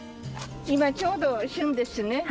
今ちょうど旬ですね。